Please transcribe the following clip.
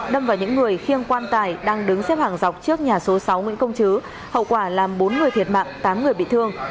đâm vào những người khiêng quan tài đang đứng xếp hàng dọc trước nhà số sáu nguyễn công chứ hậu quả làm bốn người thiệt mạng tám người bị thương